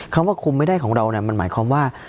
คำว่าคุมไม่ได้ของเรามันหมายความว่า